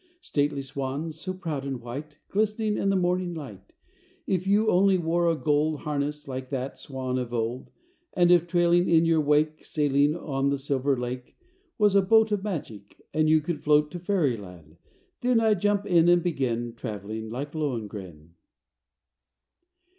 Stately swan, so proud and white Glistening in the morning light, If you only wore a gold Harness, like that swan of old, And if trailing in your wake Sailing on the silver lake Was a boat of magic and You could float to fairy land, Then I'd jump in and begin Traveling like Lohengrin!